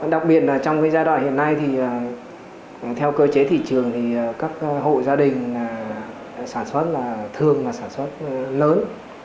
đặc biệt là trong giai đoạn hiện nay thì theo cơ chế thị trường thì các hộ gia đình sản xuất là thường sản xuất lớn